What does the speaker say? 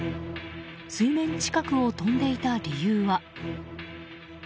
水面近くを飛んでいた理由は。